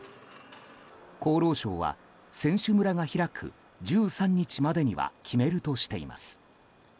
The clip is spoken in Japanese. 厚労省は、選手村が開く１３日までには決めるとしています。